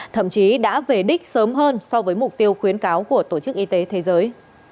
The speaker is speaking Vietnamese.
thậm chí đã về đích sớm hơn so với mục tiêu khuyến cáo của tổ chức y tế thế giới